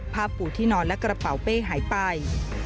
ปูที่นอนและกระเป๋าเป้หายไป